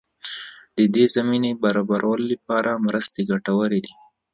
د دې زمینې برابرولو لپاره مرستې ګټورې دي.